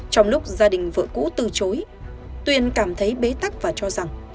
trong lúc gia đình vợ cú từ chối tuyền cảm thấy bế tắc và cho rằng